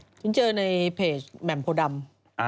ผิดดูเจอในเพจแหม่มโผดำ